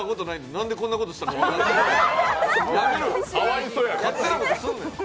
なんでこんなことしたか分からない、やめろよ。